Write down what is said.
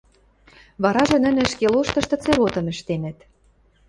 варажы нӹнӹ ӹшке лоштышты церотым ӹштенӹт: